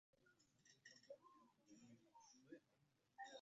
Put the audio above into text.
صرم الخليط تباينا وبكورا